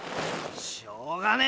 しょうがねェ。